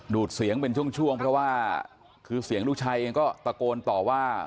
ดูดเสียงเป็นช่วงเพราะว่าเสียงลูกชัยก็ตะโกนต่อว่า